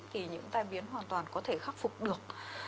thì những tai biến hoàn toàn có thể khắc phục được